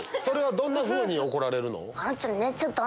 どんなふうに怒られるの？